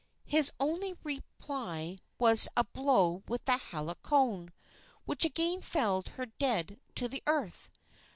His only reply was a blow with the hala cone, which again felled her dead to the earth.